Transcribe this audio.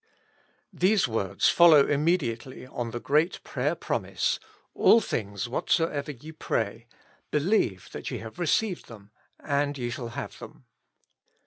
THESE words follow immediately on the great prayer promise, "All things whatsoever ye pray, believe that ye have received them, and ye shall have them."